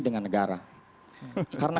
dengan negara karena